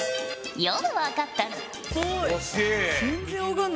よく分かったな。